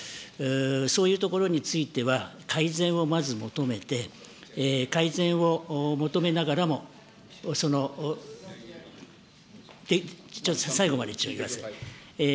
そういうところについては、改善をまず求めて、改善を求めながらも、ちょっと最後まで一応言わせてください。